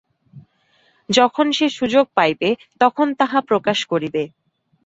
যখন সে সুযোগ পাইবে, তখন তাহা প্রকাশ করিবে।